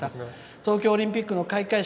「東京オリンピックの開会式